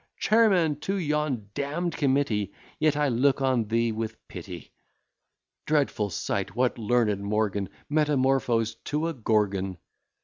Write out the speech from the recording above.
Chairman to yon damn'd committee! Yet I look on thee with pity. Dreadful sight! what, learned Morgan Metamorphosed to a Gorgon!